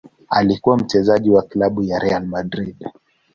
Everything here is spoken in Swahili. Alikuwa mchezaji wa klabu ya Real Madrid.